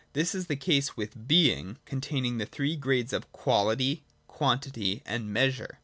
This is the case with Being, containing the three grades of quality, quantity, and measure.